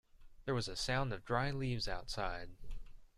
There was a sound of dry leaves outside.